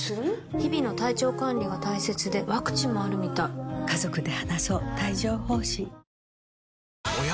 日々の体調管理が大切でワクチンもあるみたいおや？